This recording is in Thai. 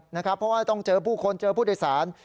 เพราะว่าต้องเจอผู้คนเจอผู้โดยสาร